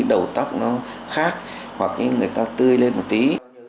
đầu tóc nó khác hoặc người ta tươi lên một tí